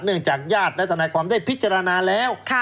จากญาติและทนายความได้พิจารณาแล้ว